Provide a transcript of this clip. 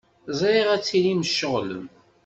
Ẓriɣ ad tilim tceɣlem.